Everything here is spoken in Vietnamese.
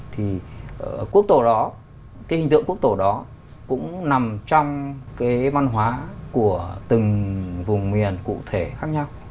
thì hình tượng quốc tổ đó cũng nằm trong văn hóa của từng vùng nguyền cụ thể khác nhau